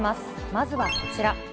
まずはこちら。